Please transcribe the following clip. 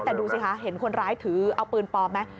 แต่ดูสิคะเห็นคนร้ายถือเอาปืนปลอมไหม